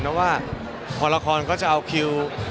เพราะว่าพอละครก็จะเอาคิว